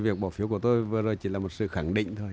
việc bỏ phiếu của tôi vừa rồi chỉ là một sự khẳng định thôi